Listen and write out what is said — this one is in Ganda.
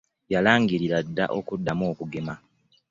Yalangirira dda okuddamu okugema.